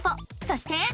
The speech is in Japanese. そして。